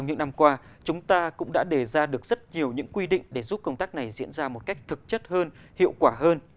những năm qua chúng ta cũng đã đề ra được rất nhiều những quy định để giúp công tác này diễn ra một cách thực chất hơn hiệu quả hơn